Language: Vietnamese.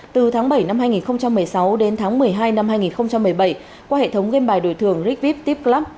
từ tháng bảy năm hai nghìn một mươi sáu đến tháng một mươi hai năm hai nghìn một mươi bảy qua hệ thống game bài đổi thường rigvip tipclub